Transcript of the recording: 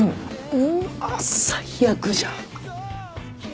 うわ最悪じゃん。